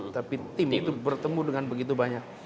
tapi tim itu bertemu dengan begitu banyak